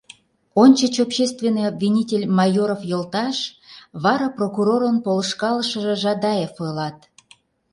Ончыч общественный обвинитель Майоров йолташ, вара прокурорын полышкалышыже Жадаев ойлат: